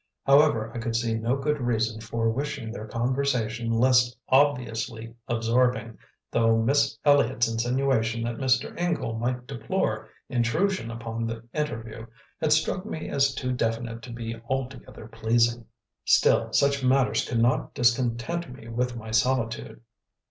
However, I could see no good reason for wishing their conversation less obviously absorbing, though Miss Elliott's insinuation that Mr. Ingle might deplore intrusion upon the interview had struck me as too definite to be altogether pleasing. Still, such matters could not discontent me with my solitude.